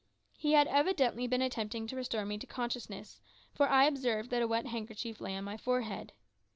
He had evidently been attempting to restore me to consciousness, for I observed that a wet handkerchief lay on my forehead.